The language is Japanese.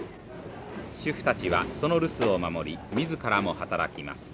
主婦たちはその留守を守り自らも働きます。